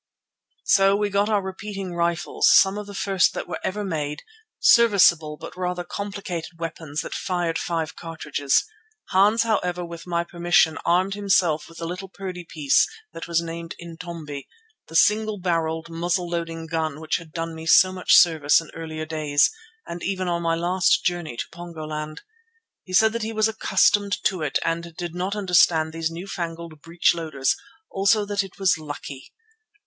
So we got our repeating rifles, some of the first that were ever made, serviceable but rather complicated weapons that fired five cartridges. Hans, however, with my permission, armed himself with the little Purdey piece that was named "Intombi," the singe barrelled, muzzle loading gun which had done me so much service in earlier days, and even on my last journey to Pongoland. He said that he was accustomed to it and did not understand these new fangled breechloaders, also that it was "lucky."